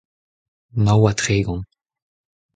nav ha tregont.